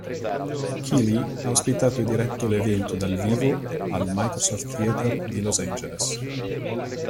Keighley ha ospitato e diretto l'evento dal vivo al "Microsoft Theater" di Los Angeles.